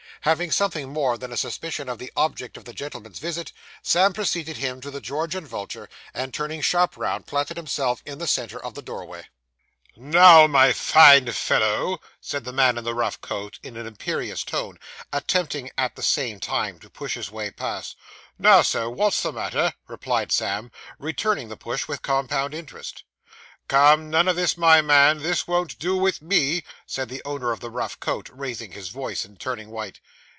Having something more than a suspicion of the object of the gentleman's visit, Sam preceded him to the George and Vulture, and, turning sharp round, planted himself in the centre of the doorway. 'Now, my fine fellow!' said the man in the rough coat, in an imperious tone, attempting at the same time to push his way past. 'Now, Sir, wot's the matter?' replied Sam, returning the push with compound interest. 'Come, none of this, my man; this won't do with me,' said the owner of the rough coat, raising his voice, and turning white.